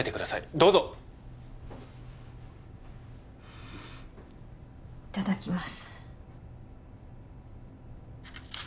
どうぞいただきます